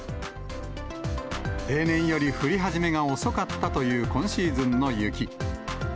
例年より降り始めが遅かったという今シーズンの雪。